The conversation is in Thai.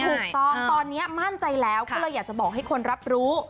ถูกต้องตอนนี้มั่นใจแล้วก็เลยอยากจะบอกให้คนรับรู้